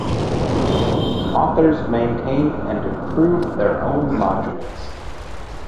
Authors maintain and improve their own modules.